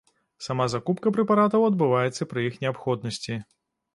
Сама закупка прэпаратаў адбываецца пры іх неабходнасці.